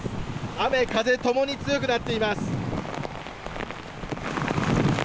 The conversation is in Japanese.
雨、風ともに強くなっています。